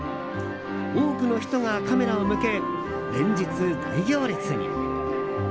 多くの人がカメラを向け連日、大行列に。